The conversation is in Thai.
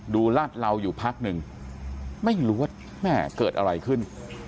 ลาดเหลาอยู่พักหนึ่งไม่รู้ว่าแม่เกิดอะไรขึ้น